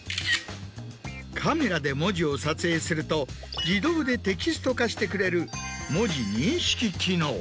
カメラで文字を撮影すると自動でテキスト化してくれる。